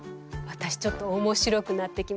私ちょっと面白くなってきました。